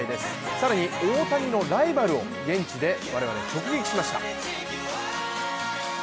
更に大谷のライバルを現地で我々直撃しました。